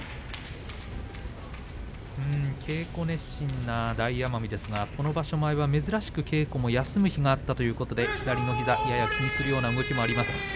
稽古熱心な大奄美ですがこの場所前は珍しく稽古を休む日もあったということで左の膝やや気にするような動きもあります。